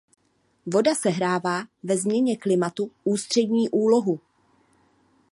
Voda sehrává ve změně klimatu ústřední úlohu.